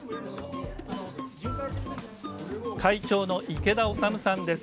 会長の池田修さんです。